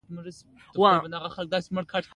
جمپر او بوټان مې هم ور وغورځول.